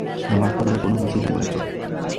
আমার খাবারের কোনো রুচি নাই, অনেক জ্বর।